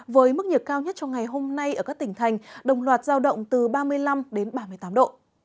với mức nhiệt cao nhất trong ngày hôm nay ở các tỉnh thành đồng loạt giao động từ ba mươi năm đến ba mươi tám độ